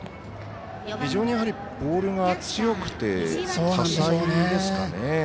非常にボールが強くて多彩ですよね。